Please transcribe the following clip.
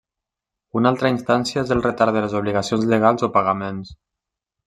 Una altra instància és el retard de les obligacions legals o pagaments.